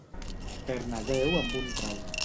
Fer-ne deu amb un trau.